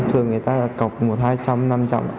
thường người ta là cọc một hai trăm năm trăm